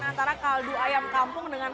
antara kaldu ayam kampung dengan